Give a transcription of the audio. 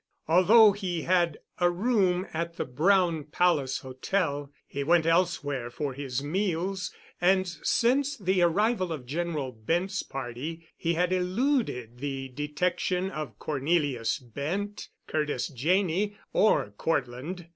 Although he had a room at the Brown Palace Hotel, he went elsewhere for his meals, and since the arrival of General Bent's party he had eluded the detection of Cornelius Bent, Curtis Janney, or Cortland.